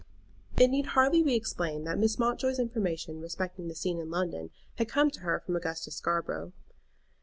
It need hardly be explained that Mrs. Mountjoy's information respecting the scene in London had come to her from Augustus Scarborough.